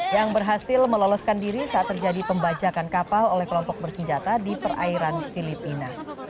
yang berhasil meloloskan diri saat terjadi pembajakan kapal oleh kelompok bersenjata di perairan filipina